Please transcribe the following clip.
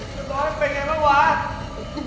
โอ๊ยบอร์ดบอร์ดเป็นยังไงบ้างบอร์ด